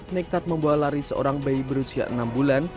nekat membawa lari seorang bayi berusia enam bulan